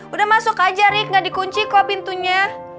udah masuk aja nih gak dikunci kok pintunya